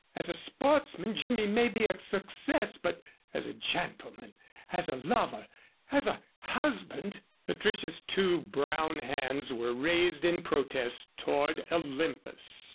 As a sportsman Jimmy may be a success, but as a gentleman as a lover as a husband " Patricia's two brown hands were raised in protest toward Olympus.